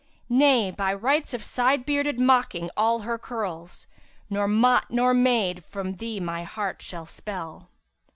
Nay, by thy rights of side beard mocking all her curls, * Nor mott nor maid[FN#340] from thee my heart shall spell.'